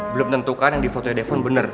belum tentukan yang di fotonya devon bener